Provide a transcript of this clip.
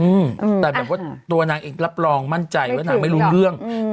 อืมแต่แบบว่าตัวนางเองรับรองมั่นใจว่านางไม่รู้เรื่องอืม